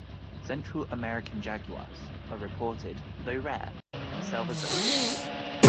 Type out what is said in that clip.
Central American jaguars are reported, though rare, in Selva Zoque.